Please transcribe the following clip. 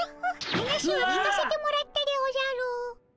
話は聞かせてもらったでおじゃる。